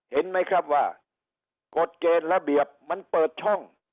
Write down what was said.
เห็นไหมครับว่ากฎเกณฑ์ระเบียบมันเปิดช่อง